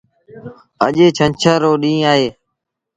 اَڄ ڇنڇر رو ڏيٚݩهݩ اهي۔